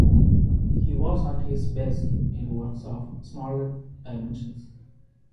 He was at his best in works of smaller dimensions.